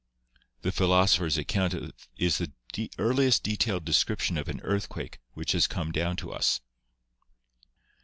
The philosopher's account is the earliest detailed description of an earthquake which has come down to us.